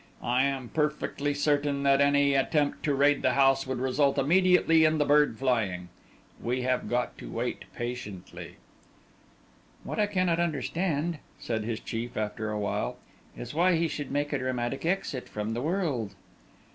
I am perfectly certain that any attempt to raid the house would result immediately in the bird flying. We have got to wait patiently." "What I cannot understand," said his chief, after awhile, "is why he should make a dramatic exit from the world."